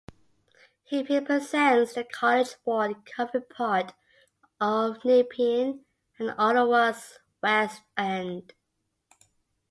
He represents the College Ward covering part of Nepean and Ottawa's west end.